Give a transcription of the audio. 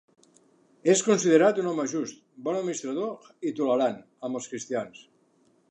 És considerat un home just, bon administrador i tolerant amb els cristians.